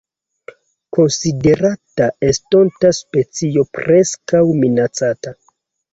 Konsiderata estonta specio Preskaŭ Minacata.